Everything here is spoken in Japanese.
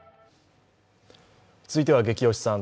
続いては「ゲキ推しさん」